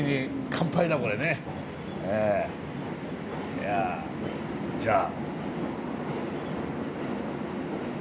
いやじゃあ。